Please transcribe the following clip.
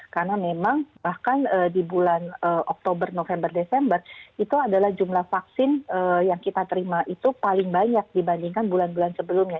karena memang bahkan di bulan oktober november desember itu adalah jumlah vaksin yang kita terima itu paling banyak dibandingkan bulan bulan sebelumnya